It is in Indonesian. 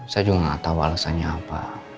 saya juga gak tau alasannya apa